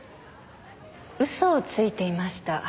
嘘をついていました。